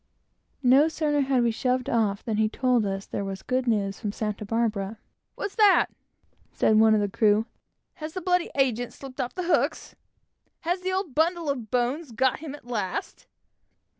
No sooner had we shoved off than he told us there was good news from Santa Barbara. "What's that?" said one of the crew; "has the bloody agent slipped off the hooks? Has the old bundle of bones got him at last?"